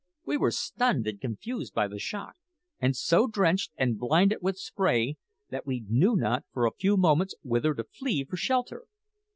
We were stunned and confused by the shock, and so drenched and blinded with spray that we knew not for a few moments whither to flee for shelter.